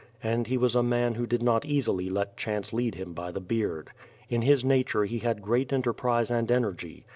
And he was a man who did not easily let chance lead him hy the beard. In his nature he had great enterprise and energy.